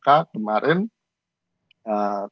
apalagi setelah apa keputusan mk kemarin